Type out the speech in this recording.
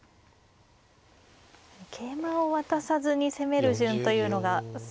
桂馬を渡さずに攻める順というのが先手は。